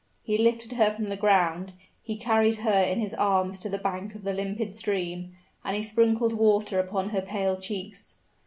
He lifted her from the ground he carried her in his arms to the bank of the limpid stream and he sprinkled water upon her pale cheeks.